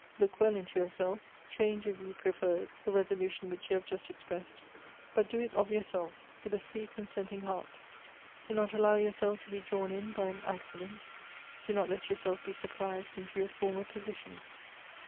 Look well into yourself; change, if you prefer it, the resolution which you have just expressed. But do it of yourself, with a free consenting heart. Do not allow yourself to be drawn in by an accident ; do not let yourself be surprised into your former position.